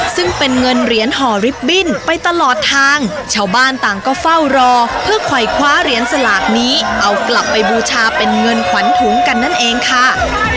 ซึ่งเป็นเงินเหรียญห่อลิฟต์บิ้นไปตลอดทางชาวบ้านต่างก็เฝ้ารอเพื่อคอยคว้าเหรียญสลากนี้เอากลับไปบูชาเป็นเงินขวัญถุงกันนั่นเองค่ะ